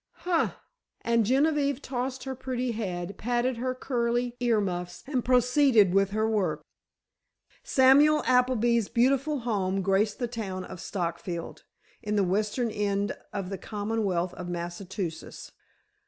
"Huh!" and Genevieve tossed her pretty head, patted her curly ear muffs, and proceeded with her work. Samuel Appleby's beautiful home graced the town of Stockfield, in the western end of the Commonwealth of Massachusetts.